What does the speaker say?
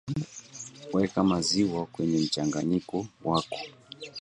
weka maziwa kwenye mchanganyiko wako